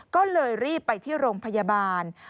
ก็เลยรีบไปที่โรงพยาบาล